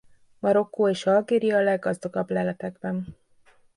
Marokkó és Algéria a leggazdagabb leletekben.